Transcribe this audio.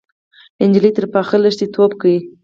نجلۍ تر پاخه لښتي ټوپ کړ.